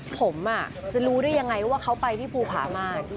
ผมจะรู้ได้ยังไงว่าเขาไปที่ภูผามาก